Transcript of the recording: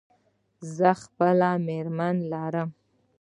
زه خپله مېرمن لرم.